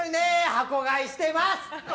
箱買いしてます！